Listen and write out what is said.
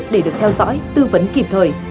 để được theo dõi tư vấn kịp thời